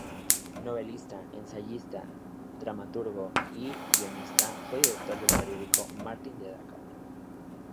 Novelista, ensayista, dramaturgo y guionista, fue director del periódico "Matin de Dakar".